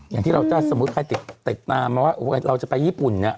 อย่างที่เราจะสมมุติใครติดตามมาว่าเราจะไปญี่ปุ่นเนี่ย